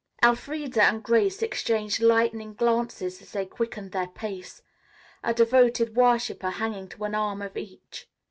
Elfreda and Grace exchanged lightning glances as they quickened their pace, a devoted worshipper hanging to an arm of each.